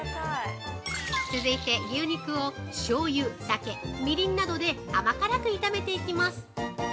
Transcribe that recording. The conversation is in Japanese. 続いて、牛肉を、しょうゆ、酒、みりんなどで甘辛く炒めていきます。